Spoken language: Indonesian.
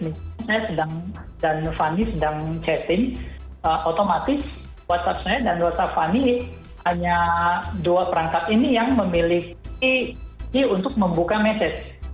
misalnya dan fanny sedang chatting otomatis whatsapp saya dan whatsapp fanny hanya dua perangkat ini yang memiliki untuk membuka message